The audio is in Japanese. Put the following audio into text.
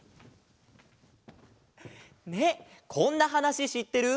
ねえこんなはなししってる？